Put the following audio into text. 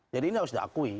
jadi ini harus diakui